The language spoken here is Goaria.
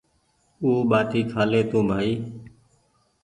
آو ٻاٽي کهالي تونٚٚ بهائي